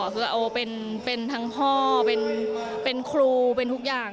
คือเอาเป็นทั้งพ่อเป็นครูเป็นทุกอย่าง